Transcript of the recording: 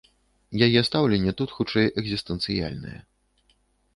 Яе стаўленне тут хутчэй экзістэнцыяльнае.